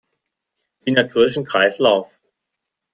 Die Natur ist ein Kreislauf.